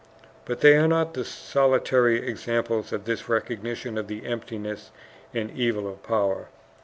But they are not the solitary examples of this recognition of the emptiness and evil of power.